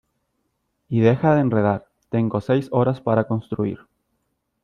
y deja de enredar . tengo seis horas para construir